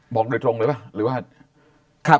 บอกโดยตรงเลยป่ะหรือว่า